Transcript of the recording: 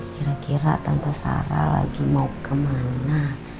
kira kira tanpa sarah lagi mau kemana